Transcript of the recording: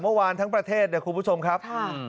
เมื่อวานทั้งประเทศเนี่ยคุณผู้ชมครับ